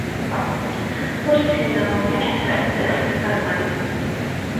Ur ssineɣ mliḥ taseddast talmanit.